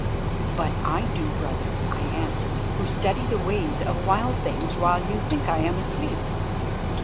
"But I do, brother," I answered; "who study the ways of wild things while you think I am asleep.